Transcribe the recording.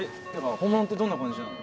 本物ってどんな感じなの？